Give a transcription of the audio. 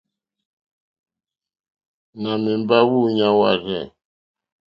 Nà mèmbá wúǔɲá wârzɛ̂.